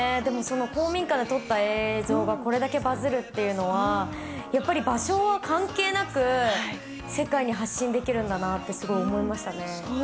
公民館で撮った映像がこれだけバズるというのは、やっぱり場所は関係なく世界に発信できるんだなって思いましたね。